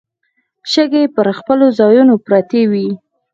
شګې پر خپلو ځايونو پرتې وې.